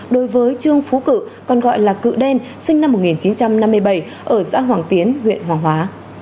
đối với trương phú cự còn gọi là cự đen sinh năm một nghìn chín trăm năm mươi bảy ở xã hoàng tiến huyện hoàng hóa